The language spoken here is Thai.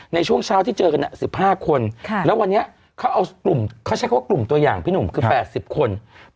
ในช่วงเช้าที่เจอกัน๑๕คนแล้ววันนี้เขาเอากลุ่มตัวอย่างคือ๘๐คน